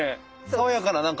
爽やかな何か。